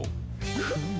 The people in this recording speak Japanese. フム。